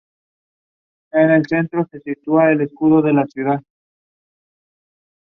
Between two and three thousand admirers brought Ruys their last greetings.